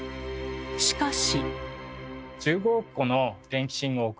しかし。